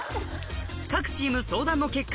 各チーム相談の結果